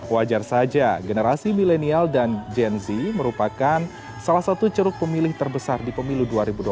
wajar saja generasi milenial dan gen z merupakan salah satu ceruk pemilih terbesar di pemilu dua ribu dua puluh